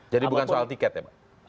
jadi bukan soal tiket ya pak